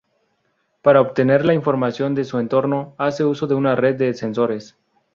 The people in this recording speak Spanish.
Para obtener la información de su entorno hacen uso de una red de sensores.